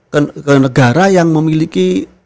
ke negara yang memiliki